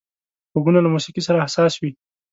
غوږونه له موسيقي سره حساس وي